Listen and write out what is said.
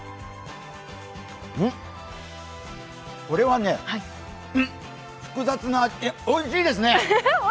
これはね、複雑なおいしいですね。